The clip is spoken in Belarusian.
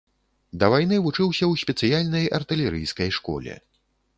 Да вайны вучыўся ў спецыяльнай артылерыйскай школе.